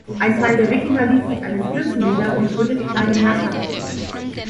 Ein Teil der Wikinger ließ sich an den Flüssen nieder und gründete kleine Herrschaften.